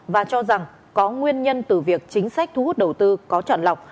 và cho rằng có nguyên nhân từ việc chính sách thu hút đầu tư có chọn lọc